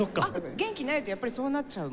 元気ないとやっぱりそうなっちゃうもの？